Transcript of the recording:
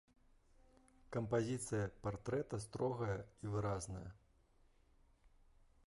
Кампазіцыя партрэта строгая і выразная.